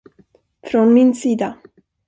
Från min sida.